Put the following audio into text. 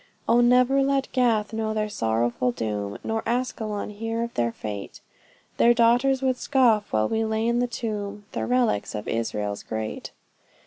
O never let Gath know their sorrowful doom, Nor Askelon hear of their fate; Their daughters would scoff while we lay in the tomb, The relics of Israel's great.